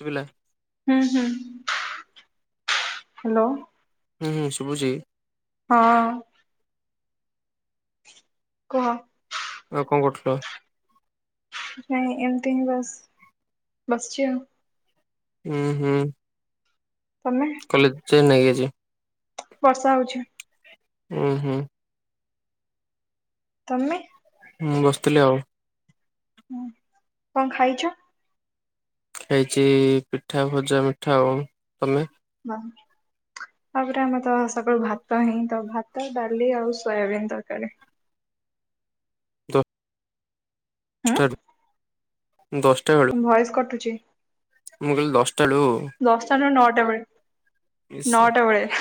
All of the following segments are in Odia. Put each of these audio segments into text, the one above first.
ଶୁଭିଲାନି? ହୁଁ, ହୁଁ। ହ୍ୟାଲୋ। ହୁଁ, ଶୁଭୁଛି। ହଁ। କୁହ? ଆଉ କଣ କରୁଥିଲ? ନାଇଁ ଏମତି ହିଁ ବାସ ବସିଚି ଆଉ। ହୁଁ ହୁଁ। ତମେ? ସେ ନେଇକି ଆଇଚି। ବର୍ଷା ହଉଛି। ଉଁ ହୁଁ। ତମେ? ମୁଁ ବସିଥିଲି ଆଉ। ହୁଁ। କଣ ଖାଇଛ? ଖାଇଛି ପିଠା, ଭଜା, ମିଠା ଆଉ ତମେ? ତମେ? ତାପରେ ଆମେ ତ ସକାଳୁ ଭାତ ହିଁ ତ ଭାତ, ଡାଲି, ଆଉ ସୋୟାବିିନ ତରକାରୀ। ଉଁ? ଦଶଟାରୁ ଦଶଟା ବେଳୁ ତମ ଭଏସ କଟୁଚି। ମୁଁ କହିଲି ଦଶ ଦଶଟା ନୁହଁ ନଅଟା ବେଳେ, ଇସ ନଅଟା ବେଳେ।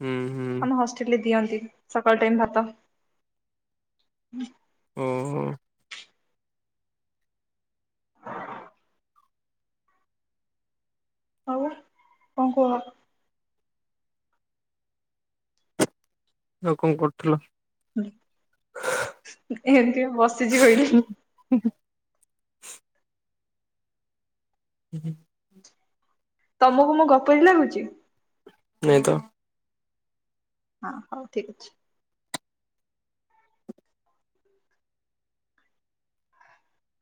ହୁଁ ହୁଁ ଆମ ହଷ୍ଟେଲରେ ଦିଅନ୍ତି, ସକାଳ ଟାଇମ ଭାତ। ଓହୋ। ଆଉ କଣ କୁହ? ଆଉ କଣ କରୁଥିଲ? ଏମିତି ବସିଛି କହିଲି। ହୁଁ ହୁ। ତମକୁ ମୁଁ ଗପ ବି ଲାଗୁଛି। ନ ତ! ହଁ ହଉ ଠିକ ଅଛି।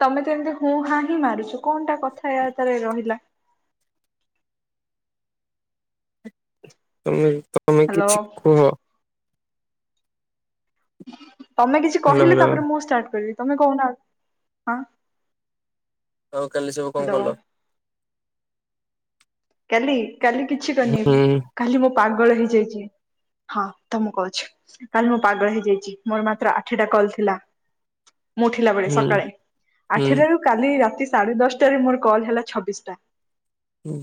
ତମେ ତ ଏମିତି ହୁଁ ହା ହିଁ ମାରୁଛୁ କଣଟା କଥା ୟ ତରେ ରହିଲା। ତମେ ତମେ ହ୍ୟାଲୋ କିଛି କୁହ? ତମେ କିଛି ହାଲୋ କହିଲେ ହାଲୋ ତାପରେ ମୁଁ ଷ୍ଟାର୍ଟ କରିବି। ତମେ କହୁନା ଆ ହଁ? ଆଉ କାଲି ସବୁ କଣ ହ୍ୟାଲୋ କଲ? କାଲି କାଲି କିଛି କରିନି ହୁଁ କାଲି ମୋ ପାଗଳ ହେଇଯାଇଛି। ହଁ ତ ମୁଁ କହୁଛି କାଲି ମୁଁ ପାଗଳ ହେଇଯାଇଛି ମୋର ମାତ୍ର ଆଠିଟା କଲ ଥିଲା। ମୋଠିଲା ବେଳେ ହୁଁ ସକାଳେ ହୁଁ ଆଠଟାରୁ କାଲି ରାତି ସାଢ଼େ ଦଶଟାରେ ମୋର କଲ୍ ହେଲା ଛବିଶଟା।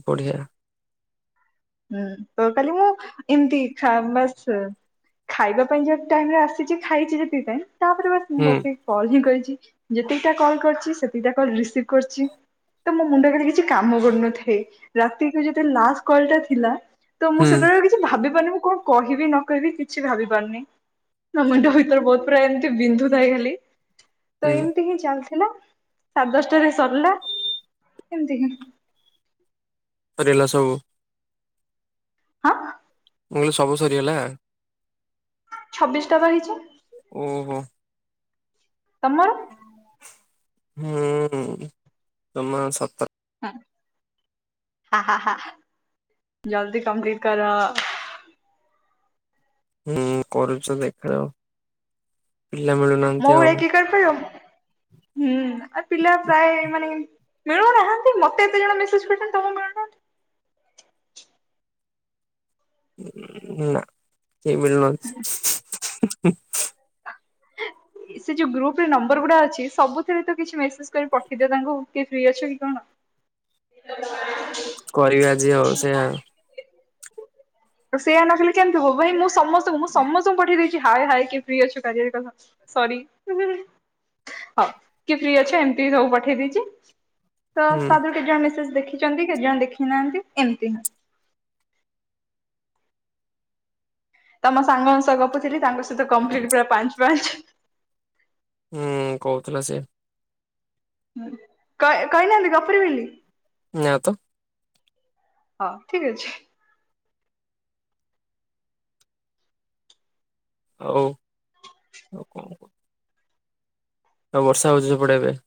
ବଢ଼ିଆ। ହୁଁ ତ କାଲି ମୁଁ ଏମିତି ବାସ୍ ଖାଇବା ପାଇଁ ଯ ଟାଇରେ ଆସିଛି ଖାଇଛି, ଯେତିଥିପାଇଁ ତାପରେ ବା ମୁଁ ହୁଁ ବସିକି କଲ ହିଁ କରି ଯେତିକିଟା କଲ୍ କରିଛି ସେତିକିଟା କଲ ରିସିଭ କରିଛି। ତ ମୋ ମୁଣ୍ଡ କ କିଛି କାମ କରୁନଥାଏ ରାତିକୁ ଯଦେ ଲାଷ୍ଟ କଲ ଟା ଥିଲା ତ ମୁଁ ହୁଁ ସେତେବେଳେ କିଛି ଭାବି ପାରୁନି ମୁଁ କଣ କହିବି ନ କହିବି କିଛି ଭାବି ପାରୁନି ଆ ମୁଣ୍ଡ ଭିତରେ ବହୁତ ପୁରା ଏମତି ବିନ୍ଦୁ ଥାଇଗଲି ତ ହୁଁ ଏମିତି ହିଁ ଚାଲ ହେ ସାତେ ଦଶଟାରେ ସରିଲା ଏମିତି ଫରା ସବୁ। ହଁ! ଉଙ୍ଗ ଶଭ ସରିଲା ଛବିଶ ଟା ରହିଛି। ଓହୋ। ତମର? ହୁଁ ତମ ସତ ହ ଜଲଦି କମ୍ପ୍ଲିଟ କର। ହୁଁ କରୁଛ ଦେଖାଯାଉ। ପିଲା ମୋ ମିଳୁନାହାନ୍ତି ଆଉ ଭଳିଆ କିଏ କରିପାରିବ ହୁଁ ଆ ପିଲା ପ୍ରାୟ ମାନେ ମିଳୁନାହାନ୍ତି ମତେ ଏତେ ଜଣ ମେସେଜ କରିଛନ୍ତି ତମ ମିଳୁନାହାନ୍ତି। ନା ଚ ବୋଲିଛି? ସେ ଯୋଉ ଗ୍ରୁପ ରେ ନମ୍ବର ଗୁଡା ଅଛି ସବୁଥିରେ ତ କିଛି ମେସେଜ କରି ପଠେଇଦିଅ ତାଙ୍କୁ କି ଫ୍ରି ଅଛ କି କଣ? ସେ କରିବି ଆଜି ହଉ ସେଆଉ। ଆ ସେୟଆ ନ କିଲଲେ କେମିତି ହବ ଭାଇ ମୁଁ ସମସ୍ତଙ୍କୁ ମୁଁ ସମସ୍ତଙ୍କୁ ପଠେଇ ଦେଇଉଛି ହାଇ ହାଇ କିଏ ପ୍ରି ଅଛ କାର କଥା ହ କି ଫି ଅଛ ଏମତି ସବୁ ପଠେଇ ଦେଇଛି। ତ ହୁଁ ତା ଦେହରୁ କେତେ ଜଣ ମିସେଜ ଦେଖିଛନ୍ତି, କେତେ ଜଣ ଦେଖି ନାହାନ୍ତି। ଏମିତି ନା। ତମ ସାଙ୍ଗମାନ ସହ ଗପୁଥିଲି ତାଙ୍କ ସହିତ କମ୍ପ୍ଲିଟ ପୁରା ପାଞ୍ଚ ପାଞ୍ଚ ହୁଁ କହୁଥିଲା ସେ କ କହିନାହାନ୍ତି ଗପୁରୀ ବୋଲି। ନା ତ। ହଁ ଠିକ ଅଛି। ହୋଉ। ଆଉ ବର୍ଷା ହେଉଛି ସେପଡେ ଏବେ?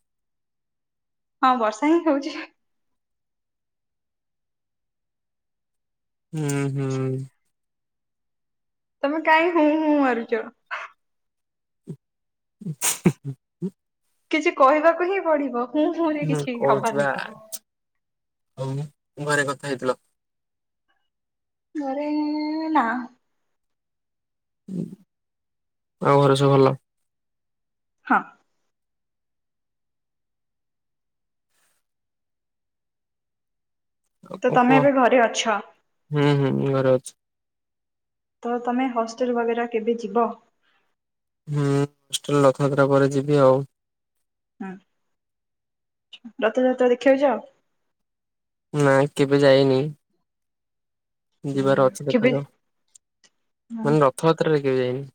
ହଁ ବର୍ଷା ହିଁ ହଉଛି। ହୁଁ ହୁଁ। ତମେ କାଇଁ ହୁଁ ହୁଁ ମାରୁଚ। [unintelligible] କିଛି କହିବାକୁ ହିଁ ପଡିବ ହୁଁ ହୁଁ ରେ କିଛି ହବନି। ହଉ ଘରେ କଥା ହେଇଥିଲ? ଘରେ ନା। ଆଉ ଘରେ ସବୁ ଭଲ? ହଁ। ଆଉ ତ କଣ କୁହ ତମେ ଏବେ ଘରେ ଅଛ? ହୁଁ ହୁଁ ଘରେ ଅଛି। ତ ତମେ ହଷ୍ଟେଲ ବଗେରା କେବେ ଯିବ? ହୁଁ ରଥଯାତ୍ରା ପରେ ଯିବି ଆଉ। ହଁ ରଥ ଯାତ୍ରା ଦେଖିବାକୁ ଯାଅ? ନା କେବେ ଯାଇନି। ଯିବାର ଅଛି କେବେ? ଦେଖାଯାଉ ମାନେ ରଥଯାତ୍ରାରେ କେବେ ଯାଇନି।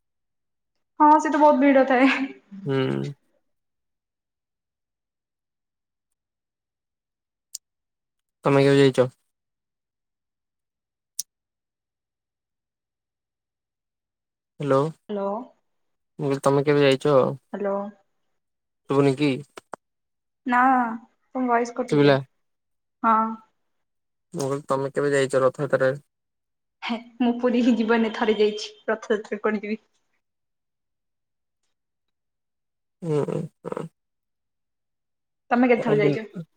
ହଁ ସେ ତ ବହୁତ ଭିଡ ଥାଏ। ହୁଁ। ତମେ କେବେ ଜାଇଛ? ହ୍ୟାଲୋ ମୁଁ ତମେ କେବେ ଯାଇଛ? ହ୍ୟାଲୋ ଭୁନି କିି ନା ତମ ବୟସ୍ କଟୁଛି ହଁ। ମୁଁ ତମେ କେବେ ଯାଇଛ ରଥଯାତ୍ରାରେ? ହେ ମୁଁ ପୁରୀ ହି ଜୀବନରେ ଥରେ ଯାଇଛି ରଥଯାତ୍ରାରେ କୁଆଡେ ଯିବି। ହୁଁ ହ। ତମେ କେତେଥର ଯାଇଛ? [unintelligible]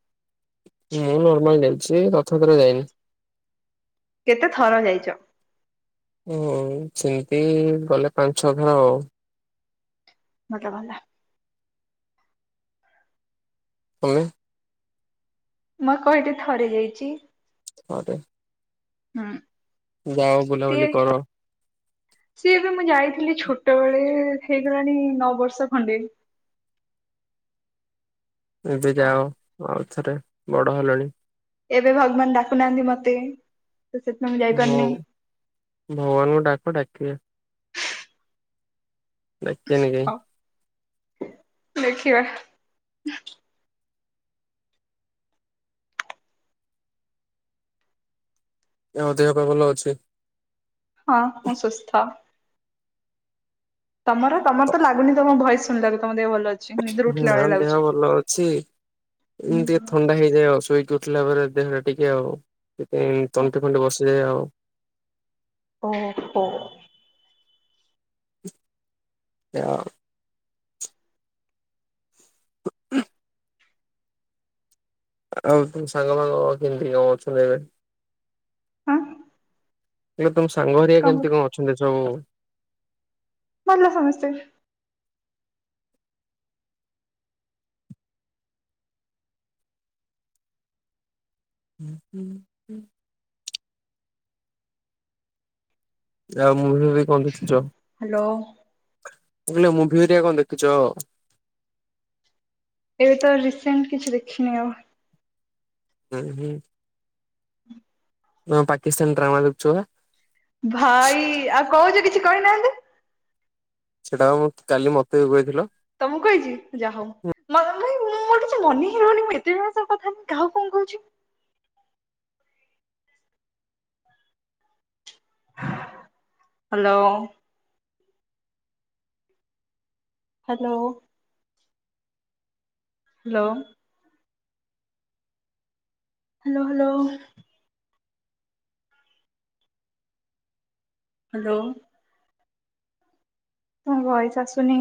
ମୁଁ ନର୍ମାଲ୍ଲୀ ଯାଇଛି। ସେ ରଥଯାତ୍ରାରେ ଯାଇନି। କେତେ ଥର ଯାଇଛ? ହ ସେମିତି ଗଲେ ପାଞ୍ଚ ଛଅ ଥର ଆଉ। ଭଲ କଥା। ତମେ ମୁଁ କହିଲି ଥରେ ଯାଇଛି। ଥରେ ହଁ ଯାଅ ସେଏ ବୁଲାବୁଲି କର ସେ ବି ମୁ ଯାଇ ଲି ଛୋଟ ବେଳେ ହେଇଗଲାଣି ନଅ ବର୍ଷ ଖଣ୍ଡେ। ଏବେ ଯାଅ ଆଉ ଥରେ ବଡ ହେଲଣି। ଏବେ ଭଗବାନ ଡାକୁନାହାନ୍ତି ମତେ। ତ ସେଥିପାଇଁ ମୁଁ ଭଉ ଯାଇପାରୁନି ଭଗବାନଙ୍କୁ ଡାକ ଡାକିବେ। ଡାକିବେନି କାଇଁ। ହଉ ଦେଖିବା। ଆଉ ଦେହ ପା ଭଲ ଅଛି? ହଁ ହଁ ସୁସ୍ଥ। ତମର ତମର ତ ଲାଗୁନି ତମ ଭଏସ ଶୁଣିଲାଗ ତମ ଦେହ ଭଲ ଅଛି? ନିଦରୁ ଉଠିଲା ନା ଭଳିଆ ଦେହ ଲାଗୁଛି। ଭଲ ଅଛି ଏ ଟିକେ ଥଣ୍ଡା ହେଇଯାଏ ଅସ ଉଠିଲା ପରେ ଦେହଟା ଟିକେ ଆଉ ସେଥିପାଇଁ ତଣ୍ଟି ଫଣ୍ଟି ବସିଯାଏ ଆଉ। ଓହୋ। [unintelligible] ଆଉ ତମ ସାଙ୍ଗ ଫାଙ୍ଗ କେମତି କଣ ଅଛନ୍ତି ଏବେ? ଆଁ? ହେଲେ ତମ ସାଙ୍ଗ ହେରିଆ କେମତି କଣ ଅଛନ୍ତି ସବୁ? ଭଲ ସମସ୍ତେ। ହୁଁ ହୁଁ ହୁଁ। ଆଉ ମୁଭି ଫୁଭି କଣ ଦେଖିଛ? ହ୍ୟାଲୋ। ମୁଁ କହିଲି ମୁଭି ହେରିଆ କଣ ଦେଖିଛ? ଏବେ ତ ରିସେଣ୍ଟ କିଛି ଦେଖିନି ଆଉ। ହୁଁ ହୁଁ। ନା ପାକିସ୍ତାନ ଡ୍ରାମା ଦେଖୁଛ ବା? ଭାଇ, ଆଉ କହୁଛ କିଛି କହିନାହାଁନ୍ତି। ସେଟା ବା କାଲି ମତେ ବି କଇଥିଲ। ତମକୁ କହିଛି ଯାହାହଉ। ମୋ ଭାଇ ମୁଁ ମୋର କିଛି ମନେ ହେଇ ରହୁନି, ମୁଁ ଏତେ ଜଣଙ୍କ ସହ କଥାହେଲି କାହାକୁ କଣ କହୁଛି। Hello. Hello. Hello. Hello hello. Hello. ତମ ଭଏସ ଆସୁନି।